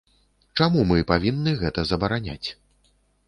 Чаму мы павінны гэта забараняць?